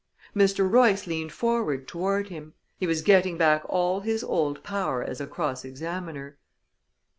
Mr. Royce leaned forward toward him. He was getting back all his old power as a cross examiner.